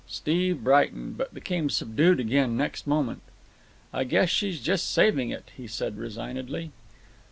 Steve brightened, but became subdued again next moment. "I guess she's just saving it," he said resignedly.